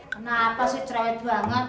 kenapa sih cerewet banget